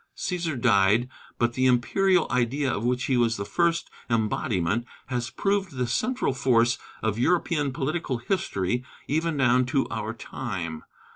Cæsar died, but the imperial idea of which he was the first embodiment has proved the central force of European political history even down to our time.